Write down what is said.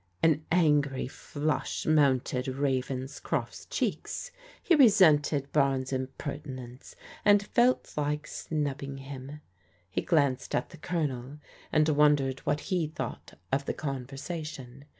An angry flush mounted Ravenscroft's cheeks. He resented Barnes' impertinence, and felt like snubbing hinu He glanced at the Colonel, and wondered what he thought of the conversation.